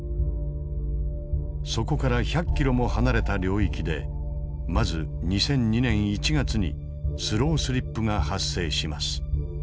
そこから１００キロも離れた領域でまず２００２年１月にスロースリップが発生します。